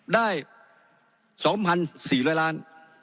ได้๒๔๐๐ล้าน